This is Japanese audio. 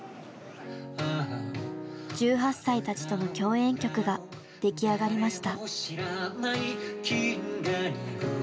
１８歳たちとの共演曲が出来上がりました。